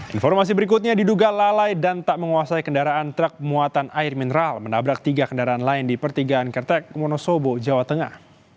informasi berikutnya diduga lalai dan tak menguasai kendaraan truk muatan air mineral menabrak tiga kendaraan lain di pertigaan kertek wonosobo jawa tengah